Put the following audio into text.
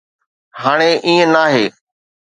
هاڻي ائين ناهي.